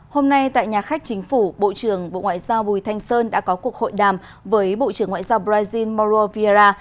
hôm nay tại nhà khách chính phủ bộ trưởng bộ ngoại giao bùi thanh sơn đã có cuộc hội đàm với bộ trưởng ngoại giao brazil mauro vieira